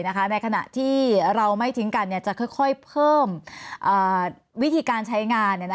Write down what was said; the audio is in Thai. ในขณะที่เราไม่ทิ้งกันจะค่อยเพิ่มวิธีการใช้งาน